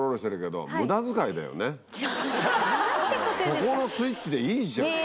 ここのスイッチでいいじゃん。